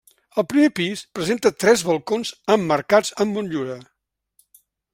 El primer pis presenta tres balcons emmarcats amb motllura.